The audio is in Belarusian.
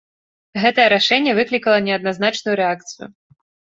Гэта рашэнне выклікала неадназначную рэакцыю.